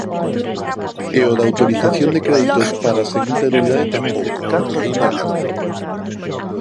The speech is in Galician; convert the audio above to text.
E o da autorización de créditos para a seguinte anualidade tampouco, porque é ilegal.